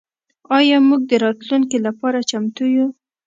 آیا موږ د راتلونکي لپاره چمتو یو؟